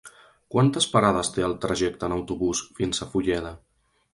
Quantes parades té el trajecte en autobús fins a Fulleda?